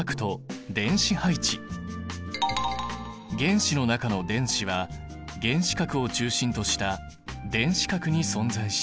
原子の中の電子は原子核を中心とした電子殻に存在している。